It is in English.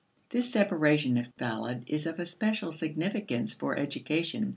This separation, if valid, is of especial significance for education.